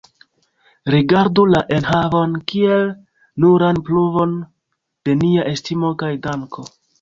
Rigardu la enhavon kiel nuran pruvon de nia estimo kaj danko.